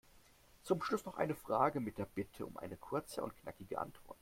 Zum Schluss noch eine Frage mit der Bitte um eine kurze und knackige Antwort.